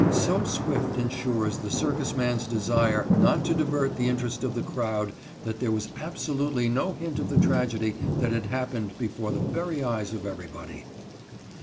So swift and sure is the circus man's desire not to divert the interest of the crowd that there was absolutely no hint of the tragedy that had happened before the very eyes of everybody.